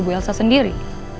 ibu elsa sendiri